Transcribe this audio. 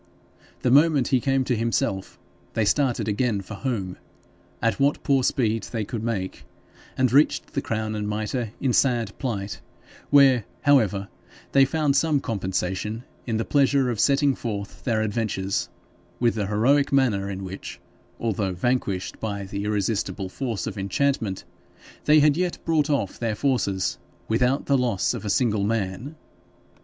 The moment he came to himself they started again for home, at what poor speed they could make, and reached the Crown and Mitre in sad plight, where, however, they found some compensation in the pleasure of setting forth their adventures with the heroic manner in which, although vanquished by the irresistible force of enchantment, they had yet brought off their forces without the loss of a single man.